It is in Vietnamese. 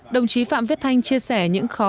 đồng chí phạm viết thanh chia sẻ những khó